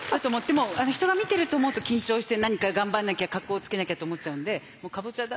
もう人が見てると思うと緊張して何か頑張らなきゃかっこつけなきゃって思っちゃうんでもうかぼちゃだ